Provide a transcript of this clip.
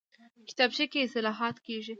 کتابچه کې اصلاحات کېږي